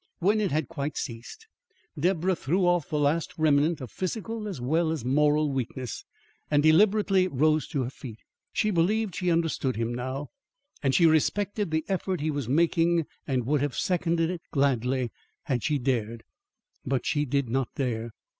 When it had quite ceased, Deborah threw off the last remnant of physical as well as moral weakness, and deliberately rose to her feet. She believed she understood him now; and she respected the effort he was making, and would have seconded it gladly had she dared. But she did not dare.